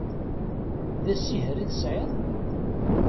D asiher i tesɛiḍ?